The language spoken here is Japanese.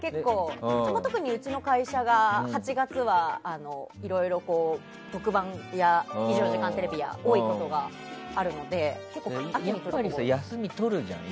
特にうちの会社が８月はいろいろ特番や「２４時間テレビ」が多いことがあるので休み取るじゃん。